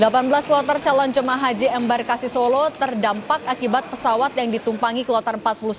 delapan belas kloter calon jemaah haji embarkasi solo terdampak akibat pesawat yang ditumpangi kloter empat puluh satu